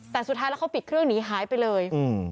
แต่สุดท้ายแล้วเขาปิดเครื่องหนีหายไปเลย